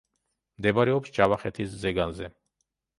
მდებარეობს ჯავახეთის ზეგანზე.